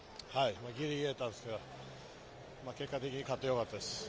ギリギリだったんですけれども、結果的になって良かったです。